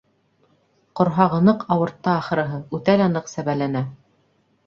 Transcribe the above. Ҡорһағы ныҡ ауыртты, ахырыһы, үтә лә ныҡ сәбәләнә.